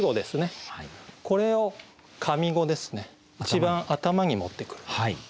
これを上五一番頭に持ってくる。